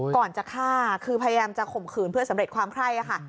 ก่อนจะฆ่าคือพยายามจะข่มขืนเพื่อสำเร็จความไคร้ค่ะ